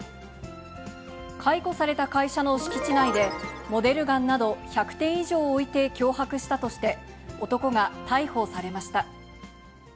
解雇された会社の敷地内で、モデルガンなど、１００点以上を置いて脅迫したとして、男が逮捕されました。